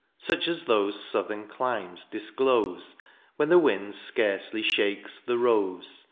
Such as those southern climes disclose. When the wind scarcely shakes the rose.